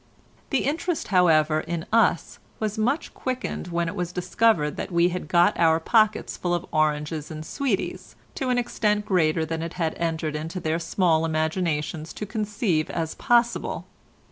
The interest, however, in us was much quickened when it was discovered that we had got our pockets full of oranges and sweeties, to an extent greater than it had entered into their small imaginations to conceive as possible.